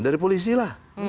dari polisi lah